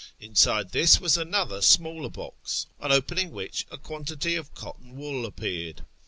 Inside this was another smaller box, on opening which a quantity of cotton wool appeared.